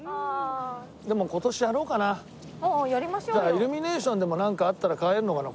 イルミネーションでもなんかあったら買えるのかな？